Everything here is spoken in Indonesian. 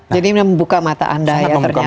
jadi membuka mata anda ya ternyata